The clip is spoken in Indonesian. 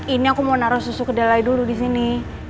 ini aku mau naro susu kedai dulu disini